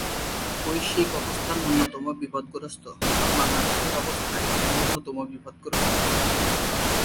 বৈশ্বিক অবস্থা ন্যূনতম বিপদগ্রস্ত এবং বাংলাদেশের অবস্থায় ন্যূনতম বিপদগ্রস্ত।